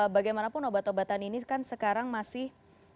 bagaimanapun obat obatan ini kan sekarang masih